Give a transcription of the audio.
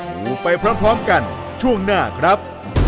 ดูไปพร้อมกันช่วงหน้าครับ